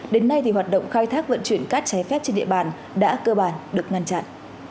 đến nay thì hoạt động khai thác vận chuyển cát cháy phép trên địa bàn đã cơ bản được ngăn chặn